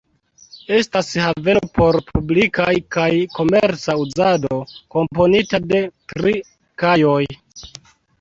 Estas haveno por publikaj kaj komerca uzado, komponita de tri kajoj.